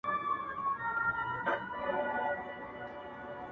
هلته د ژوند تر آخري سرحده’